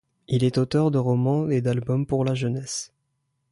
Il est auteur de romans et d'albums pour la jeunesse.